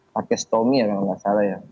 paket stomi kalau nggak salah ya